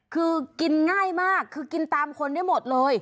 คือกินง่ายมากคือกินตามคนได้หมดเลย